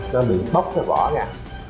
nó bị bóc cái vỏ ra